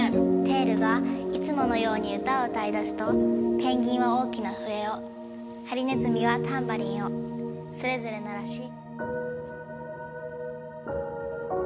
「テールがいつものように歌を歌い出すとペンギンは大きな笛をハリネズミはタンバリンをそれぞれ鳴らし」